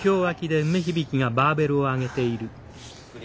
ゆっくり。